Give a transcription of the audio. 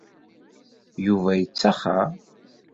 Yuba yettaxer.